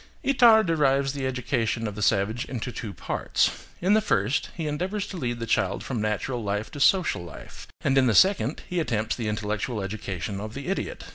Itard divides the education of the savage into two parts. In the first, he endeavours to lead the child from natural life to social life; and in the second, he attempts the intellectual education of the idiot.